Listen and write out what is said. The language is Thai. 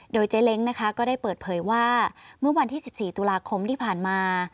โดยเจ๊เล้งนะคะก็ได้เปิดเผยว่าเมื่อวันที่๑๔ตุลาคมที่ผ่านมา